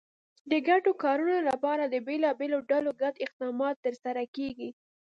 د ګډو کارونو لپاره د بېلابېلو ډلو ګډ اقدامات ترسره کېږي.